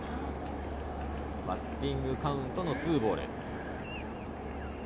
バッティングカウントは２ボール。